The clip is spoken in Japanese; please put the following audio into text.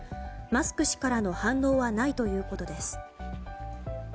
マスク氏からの反応はないということです。